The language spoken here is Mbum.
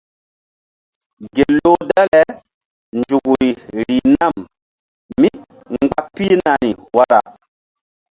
Gel loh dale nzukri rih nam mí mgba pihnari wara.